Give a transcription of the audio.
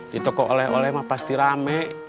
ditok oleh oleh mah pasti rame